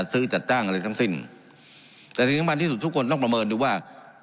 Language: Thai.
ซื้อจัดจ้างอะไรทั้งสิ้นแต่สิ่งสำคัญที่สุดทุกคนต้องประเมินดูว่า